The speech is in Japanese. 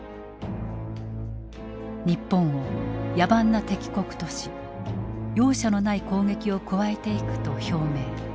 日本を野蛮な敵国とし容赦のない攻撃を加えていくと表明。